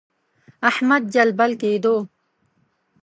احمد جلبل کېدو.